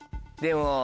でも。